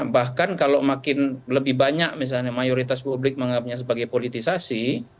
bahkan kalau makin lebih banyak misalnya mayoritas publik menganggapnya sebagai politisasi